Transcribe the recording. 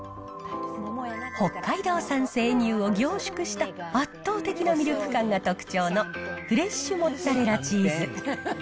北海道産生乳を凝縮した圧倒的なミルク感が特徴のフレッシュモッツァレラチーズ。